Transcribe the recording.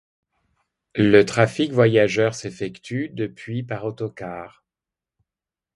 Le trafic voyageur s'effectue, depuis, par autocar.